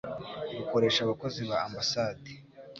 rukoresha abakozi ba ambasade